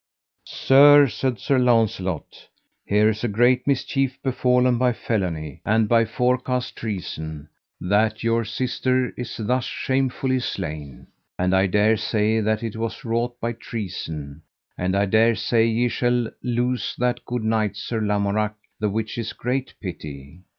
Sir, said Sir Launcelot, here is a great mischief befallen by felony, and by forecast treason, that your sister is thus shamefully slain. And I dare say that it was wrought by treason, and I dare say ye shall lose that good knight, Sir Lamorak, the which is great pity.